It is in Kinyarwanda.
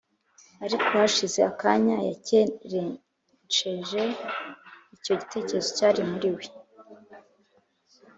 ariko hashize akanya yakerensheje icyo gitekerezo cyari muri we